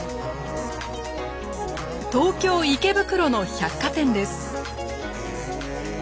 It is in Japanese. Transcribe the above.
東京・池袋の百貨店です。